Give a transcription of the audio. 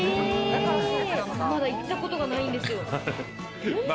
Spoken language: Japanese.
まだ行ったことがないんですよ。